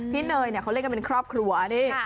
เนยเขาเล่นกันเป็นครอบครัวนี่